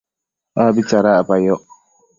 abi tsadacpayoc